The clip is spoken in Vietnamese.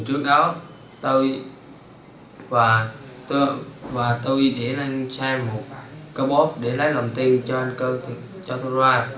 trước đó tôi để lên xe một cơ bốp để lái lòng tiền cho anh cư cho tôi ra